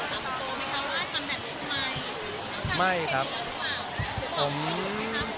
ว่าทำแบบนี้ทำไมไม่ครับต้องการแบบเช็คแล้วหรือเปล่า